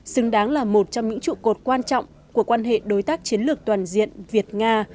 xứng đáng là một trong những trụ cột quan trọng của quan hệ đối tác chiến lược toàn diện việt nga